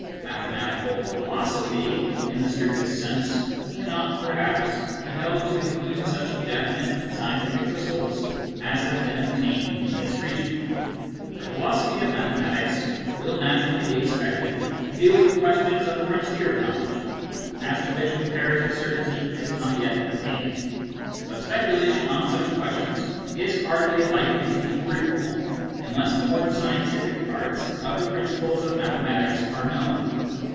Mathematical philosophy, in the strict sense, cannot, perhaps, be held to include such definite scientific results as have been obtained in this region ; the philosophy of mathematics will naturally be ex pected to deal with questions on the frontier of knowledge, as to which comparative certainty is not yet attained. But speculation on such questions is hardly likely to be fruitful unless the more scientific parts of the principles of mathematics are known.